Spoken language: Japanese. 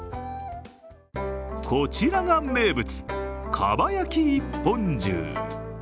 こちらが名物、蒲焼き一本重。